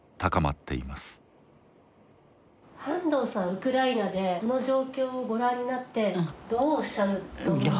ウクライナでこの状況をご覧になってどうおっしゃると思いますか？